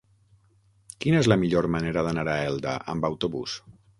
Quina és la millor manera d'anar a Elda amb autobús?